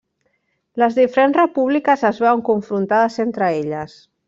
Les diferents repúbliques es veuen confrontades entre elles.